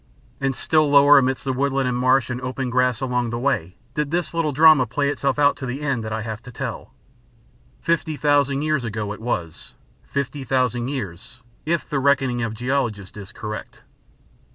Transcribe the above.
And still lower amidst the woodland and marsh and open grass along the Wey did this little drama play itself out to the end that I have to tell. Fifty thousand years ago it was, fifty thousand years if the reckoning of geologists is correct.